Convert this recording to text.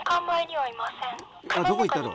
あどこ行ったろ？